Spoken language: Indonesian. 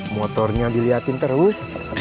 motornya diliatin terus